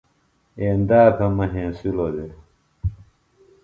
ایندا بھےۡ مہ ہینسِلوۡ دےۡ